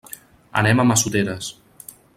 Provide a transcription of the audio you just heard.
Anem a Massoteres.